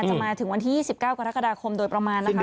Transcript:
จะมาถึงวันที่๒๙กรกฎาคมโดยประมาณนะคะ